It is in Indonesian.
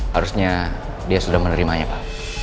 harusnya dia sudah menerimanya pak